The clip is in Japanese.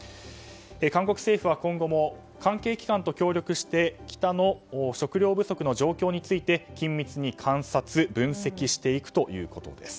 韓国政府は今後も関係機関と協力して北の食糧不足の状況について緊密に観察分析していくということです。